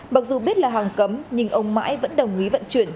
mặc dù biết là hàng cấm nhưng ông mãi vẫn đồng ý vận chuyển